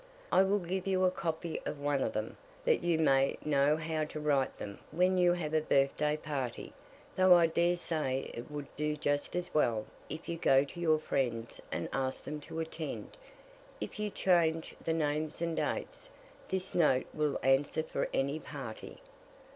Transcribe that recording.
I will give you a copy of one of them, that you may know how to write them when you have a birthday party, though I dare say it would do just as well if you go to your friends and ask them to attend. If you change the names and dates, this note will answer for any party.